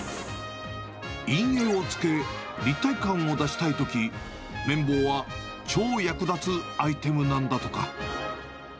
陰影をつけ、立体感を出したいとき、綿棒は超役立つアイテムなんだとか。